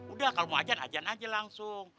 udah kalau mau ajar ajar aja langsung